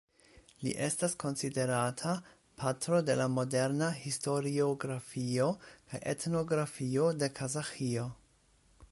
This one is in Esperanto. Li estas konsiderata patro de la moderna historiografio kaj etnografio de Kazaĥio.